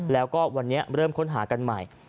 แล้วก็วันนี้เริ่มค้นหากันใหม่